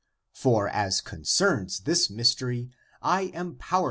For as concerns this mystery I am powerless 1 Comp.